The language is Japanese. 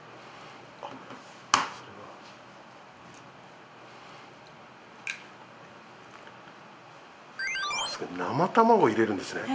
あっ生卵を入れるんですね？